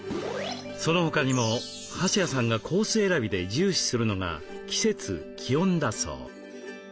その他にも橋谷さんがコース選びで重視するのが季節気温だそう。